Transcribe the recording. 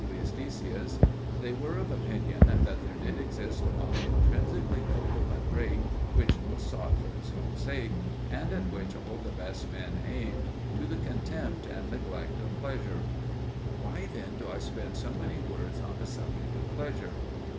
Decius, they were of opinion that there did exist something intrinsically noble and great, which was sought for its own sake, and at which all the best men aimed, to the contempt and neglect of pleasure. Why then do I spend so many words on the subject of pleasure?